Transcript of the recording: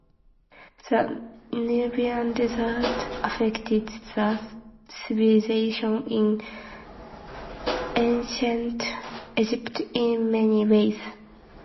The Nubian Desert affected the civilization in ancient Egypt in many ways.